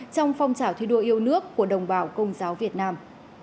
trong phong trào thi đua yêu nước của đồng bào công giáo việt nam